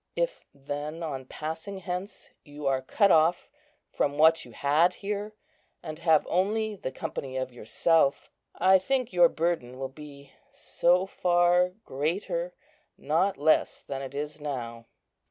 If, then, on passing hence, you are cut off from what you had here, and have only the company of yourself, I think your burden will be, so far, greater, not less than it is now.